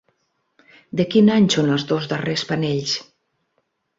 De quin any són els dos darrers panells?